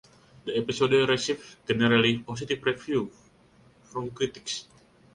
The episode received generally positive reviews from critics.